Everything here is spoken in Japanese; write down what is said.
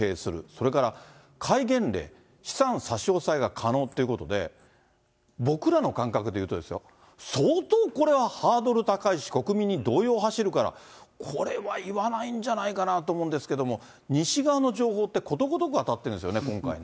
それから戒厳令、資産差し押さえが可能ということで、僕らの感覚でいうと、相当これはハードル高いし、国民に動揺が走るから、これは言わないんじゃないかなと思うんですけど、西側の情報って、ことごとく当たってるんですよね、今回。